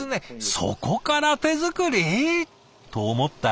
そこから手作り！？と思ったら。